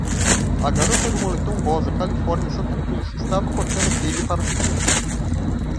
A garota do moletom rosa Califórnia Santa Cruz estava cortando queijo para o piquenique.